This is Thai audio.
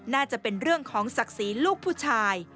น่าจะเป็นเรื่องของศักดิ์ศรีลูกผู้ชาย